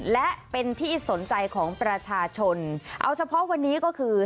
และเป็นที่สนใจของประชาชนเอาเฉพาะวันนี้ก็คือ